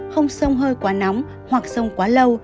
không sông hơi quá nóng hoặc sông quá lâu